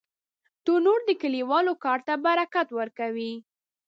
تنور د کلیوالو کار ته برکت ورکوي